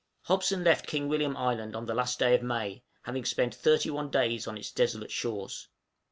Hobson left King William Island on the last day of May, having spent thirty one days on its desolate shores.